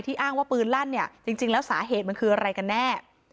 อ้างว่าปืนลั่นเนี่ยจริงแล้วสาเหตุมันคืออะไรกันแน่